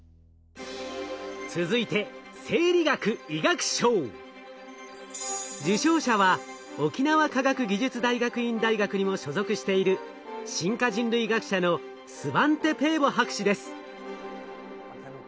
続いて受賞者は沖縄科学技術大学院大学にも所属している進化人類学者のスバンテ・ペーボ博士です。